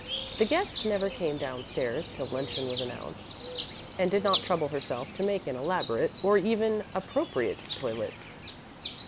The guest never came down stairs till luncheon was announced, and did not trouble herself to make an elaborate, or even appropriate toilet.